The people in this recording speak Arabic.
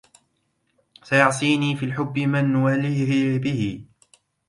سيعيصني في الحب من ولهي به